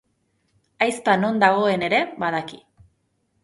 Ahizpa non dagoen ere badaki.